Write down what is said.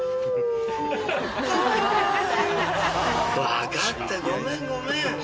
分かったごめんごめん。